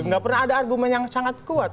gak pernah ada argumen yang sangat kuat